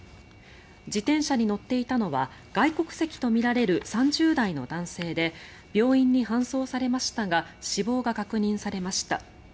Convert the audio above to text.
自転車に乗っていたのは外国籍とみられる３０代の男性で病院に搬送されましたが死亡が確認されました。